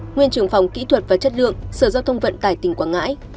nguyên trưởng phòng kỹ thuật và chất lượng sở giao thông vận tải tỉnh quảng ngãi